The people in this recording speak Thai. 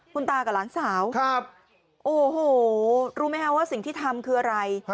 คุณตากับหลานสาวโอ้โหรู้ไหมคะว่าสิ่งที่ทำคืออะไร